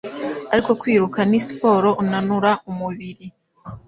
ariko kwiruka ni siporo unanura umubiri